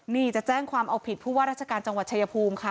นี่จะแจ้งความเอาผิดผู้ว่าราชการจังหวัดชายภูมิค่ะ